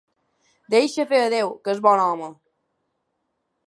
Deixa fer a Déu, que és bon home!